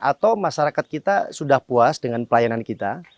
atau masyarakat kita sudah puas dengan pelayanan kita